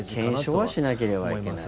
検証はしなければいけない。